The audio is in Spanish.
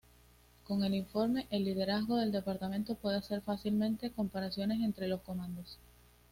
Con el informe, el liderazgo del departamento puede hacer fácilmente comparaciones entre los comandos.